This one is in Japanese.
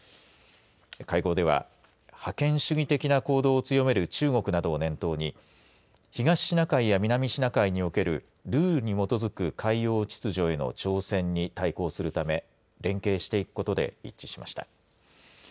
会合では覇権主義的な行動を強める中国などを念頭に東シナ海や南シナ海におけるルールに基づく海洋秩序への挑戦に対抗するため連携していくことで一致しました。